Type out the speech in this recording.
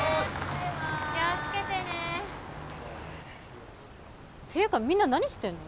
バイバーイ気をつけてねていうかみんな何してんの？